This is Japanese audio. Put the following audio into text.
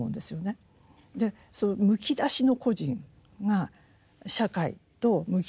そのむき出しの個人が社会と向き合う。